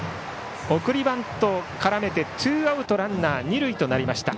送りバントを絡めてツーアウトランナー、二塁となりました。